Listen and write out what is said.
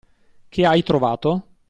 Che hai trovato?